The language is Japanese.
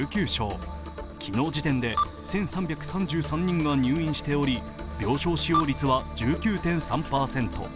昨日時点で１３３３人が入院しており、病床使用率は１９．３％。